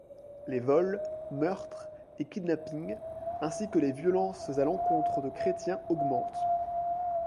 Les vols, meurtres et kidnappings, ainsi que les violences à l'encontre de chrétiens augmentent.